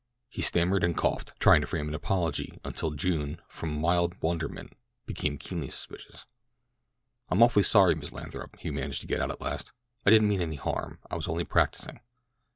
He stammered and coughed—trying to frame an apology, until June, from mild wonderment, became keenly suspicious. "I'm awfully sorry, Miss Lathrop," he managed to get out at last. "I didn't mean any harm—I was only practising."